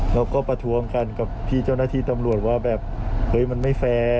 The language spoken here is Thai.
ประท้วงกันกับพี่เจ้าหน้าที่ตำรวจว่าแบบเฮ้ยมันไม่แฟร์